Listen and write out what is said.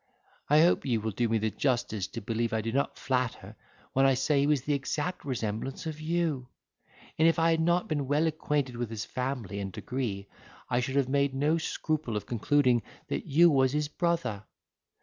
I hope you will do me the justice to believe I do not flatter, when I say he was the exact resemblance of you; and if I had not been well acquainted with his family and degree, I should have made no scruple of concluding that you was his brother.